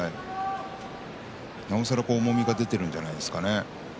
なおさら重みが出ているんじゃないでしょうかね。